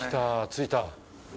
着いた。